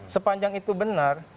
sepanjang itu benar